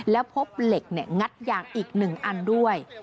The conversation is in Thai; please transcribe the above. แล้วพบเหล็กงัดยางอีก๑อันด้วย